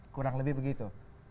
kurang lebih begitu